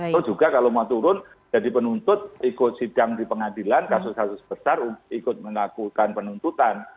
atau juga kalau mau turun jadi penuntut ikut sidang di pengadilan kasus kasus besar ikut melakukan penuntutan